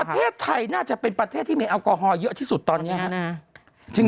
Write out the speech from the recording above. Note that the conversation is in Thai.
ประเทศไทยน่าจะเป็นประเทศที่มีแอลกอฮอลเยอะที่สุดตอนนี้ครับ